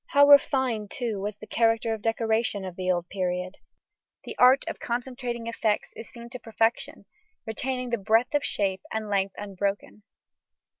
How refined, too, was the character of decoration of the old period! The art of concentrating effects is seen to perfection, retaining the breadth of shape and length unbroken.